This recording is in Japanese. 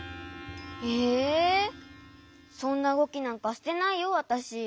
えそんなうごきなんかしてないよわたし。